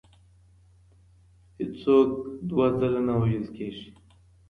هیڅ څوک دوه ځله نه وژل کیږي.